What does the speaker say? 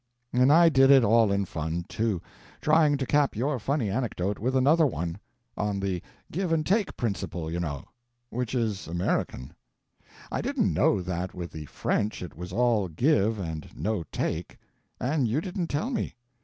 And I did it all in fun, too, trying to cap your funny anecdote with another one on the give and take principle, you know which is American. I didn't know that with the French it was all give and no take, and you didn't tell me.